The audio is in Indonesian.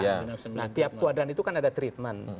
nah tiap kuadran itu kan ada treatment